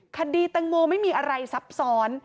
คดีตังโมไม่มีอะไรสับสอน